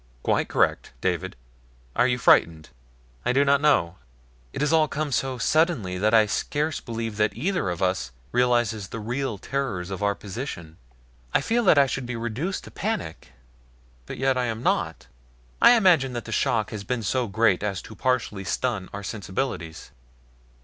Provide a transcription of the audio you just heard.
"Quite correct, David. Are you frightened?" "I do not know. It all has come so suddenly that I scarce believe that either of us realizes the real terrors of our position. I feel that I should be reduced to panic; but yet I am not. I imagine that the shock has been so great as to partially stun our sensibilities."